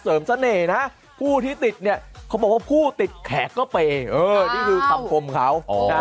เสริมเสน่ห์นะผู้ที่ติดเนี่ยก็บอกผู้ติดแขกต้องมือกลับพร้อมเขาอ่อ